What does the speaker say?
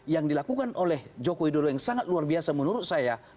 yang dilakukan oleh jokowi dodo yang sangat luar biasa menurut saya